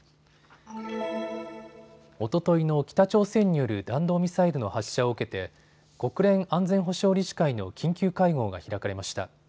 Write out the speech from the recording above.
おとといの北朝鮮による弾道ミサイルの発射を受けて国連安全保障理事会の緊急会合が開かれました。